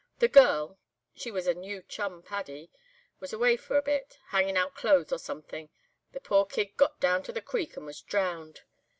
The girl (she was a new chum Paddy) was away for a bit, hangin' out clothes or somethin'; the poor kid got down to the creek and was drowned.